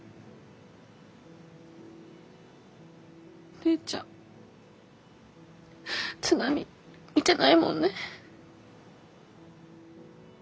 お姉ちゃん津波見てないもんね。